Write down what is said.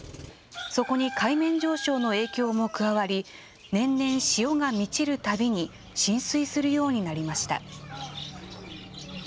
そこに海面上昇の影響も加わり、年々、潮が満ちるたびに浸水するようになりました。